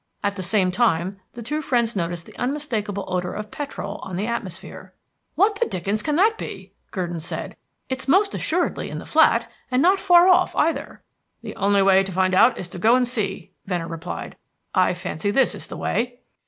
At the same time, the two friends noticed the unmistakable odor of petrol on the atmosphere. "What the dickens can that be?" Gurdon said. "Its most assuredly in the flat, and not far off, either." "The only way to find out is to go and see," Venner replied. "I fancy this is the way."